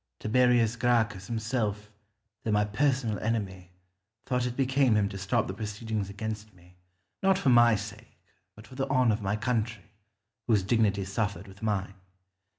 Tiberius Gracchus himself, though my personal enemy, thought it became him to stop the proceedings against me, not for my sake, but for the honour of my country, whose dignity suffered with mine.